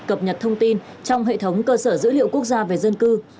cập nhật thông tin trong hệ thống cơ sở dữ liệu quốc gia về dân cư